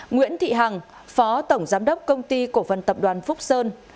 nguyễn thị hằng phó tổng giám đốc công ty cổ phần tập đoàn phúc sơn